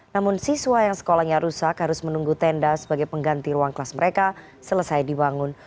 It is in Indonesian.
namun siswa yang sekolahnya rusak harus menunggu tenda sebagai pengganti ruang kelas mereka selesai dibangun